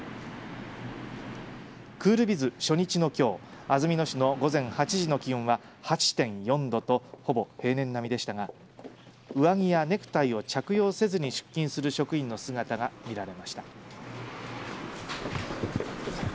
クールビズ初日のきょう、安曇野市の午前８時の気温は８．４度とほぼ平年並みでしたが上着やネクタイを着用せずに出勤する職員の姿が見られました。